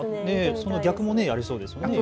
その逆もありそうですね。